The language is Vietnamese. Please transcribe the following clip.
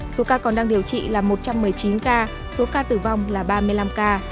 số ca còn đang điều trị là một trăm một mươi chín ca số ca tử vong là ba mươi năm ca